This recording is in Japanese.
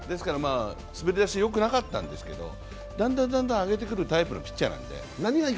滑り出しはよくなかったんですけどだんだんだんだん上げてくるタイプのピッチャーなので。